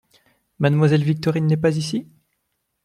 Mademoiselle Victorine n’est pas ici ?